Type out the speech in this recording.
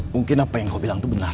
mungkin apa yang kau bilang itu benar